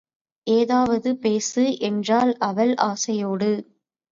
ஏதாவது பேசு! என்றாள் அவள் ஆசையோடு.